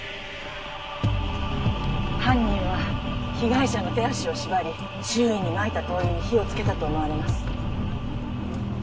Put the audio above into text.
犯人は被害者の手足を縛り周囲に撒いた灯油に火をつけたと思われます。